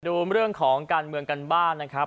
ดูเรื่องของการเมืองกันบ้างนะครับ